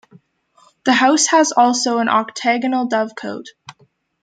The house has also an octagonal dovecote.